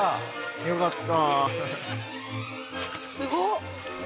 よかった。